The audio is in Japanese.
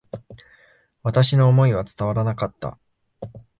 私の思いは伝わらなかった。